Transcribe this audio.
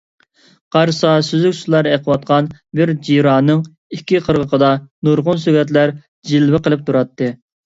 قارىسا، سۈزۈك سۇلار ئېقىۋاتقان بىر جىرانىڭ ئىككى قىرغىقىدا نۇرغۇن سۆگەتلەر جىلۋە قىلىپ تۇراتتى.